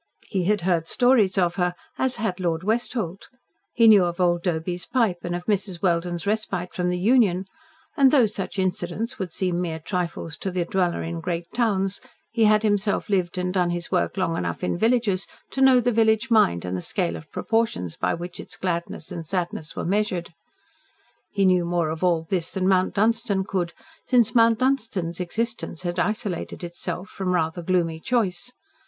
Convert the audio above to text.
He had heard stories of her, as had Lord Westholt. He knew of old Doby's pipe, and of Mrs. Welden's respite from the Union, and though such incidents would seem mere trifles to the dweller in great towns, he had himself lived and done his work long enough in villages to know the village mind and the scale of proportions by which its gladness and sadness were measured. He knew more of all this than Mount Dunstan could, since Mount Dunstan's existence had isolated itself, from rather gloomy choice.